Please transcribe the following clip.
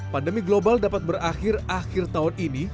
pandemi global dapat berakhir akhir tahun ini